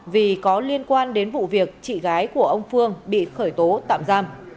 vì có liên quan đến vụ việc chị gái của ông phương bị khởi tố tạm giam